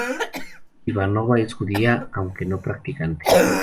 Ivanova es judía, aunque no practicante.